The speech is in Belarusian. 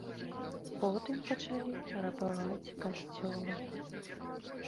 Потым пачалі рабаваць касцёлы.